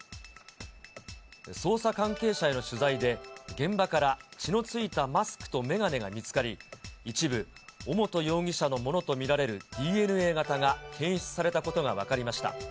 捜査関係者への取材で、現場から血のついたマスクと眼鏡が見つかり、一部、尾本容疑者のものと見られるＤＮＡ型が検出されたことが分かりました。